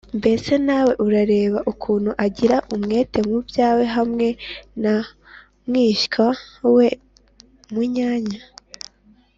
mbese nawe urareba ukuntu agira umwete mu byawe hamwe na mwishywa we munyanya